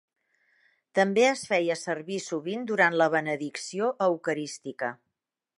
També es feia servir sovint durant la benedicció eucarística.